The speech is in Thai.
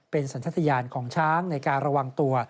เป็นสันทยานของช้างในการระวังตัว